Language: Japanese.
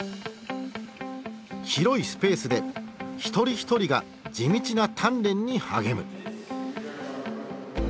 広いスペースで一人一人が地道な鍛錬に励む。